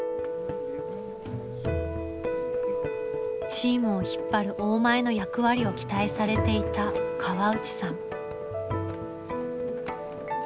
チームを引っ張る「大前」の役割を期待されていた河内さん。